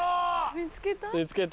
見つけた。